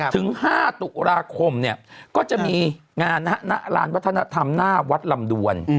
ถึง๕ตุลาคมก็จะมีงานณลานวัฒนธรรมหน้าวัดลำดวน